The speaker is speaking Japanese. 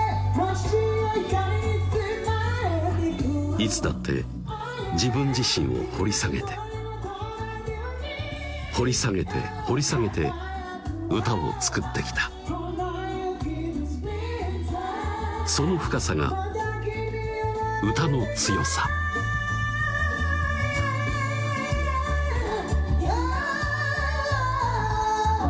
いつだって自分自身を掘り下げて掘り下げて掘り下げて歌を作ってきたその深さが歌の強さ「ＬａｌａＬａｌａｌａ」